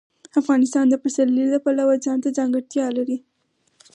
افغانستان د پسرلی د پلوه ځانته ځانګړتیا لري.